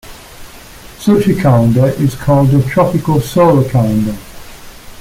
Such a calendar is called a tropical solar calendar.